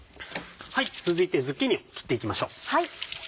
続いてズッキーニを切っていきましょう。